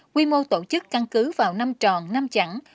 quy mô tổ chức căn cứ vào năm tròn năm chẳng